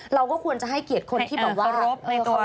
เราก็ควรจะให้เกียรติคนที่แบบว่ารบ